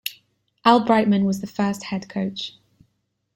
Al Brightman was the first head coach.